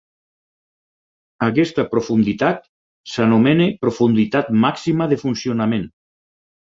Aquesta profunditat s'anomena profunditat màxima de funcionament.